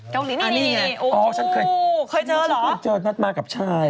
กาหลีนี่โอปอุ๊คือเจอเหรออ่อฉันเคยเจอนัดมากับชาย